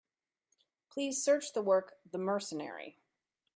Please search the work, The Mercenary.